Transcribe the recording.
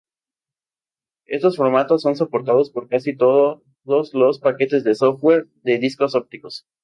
Estos formatos son soportados por casi todos los paquetes de software de discos ópticos.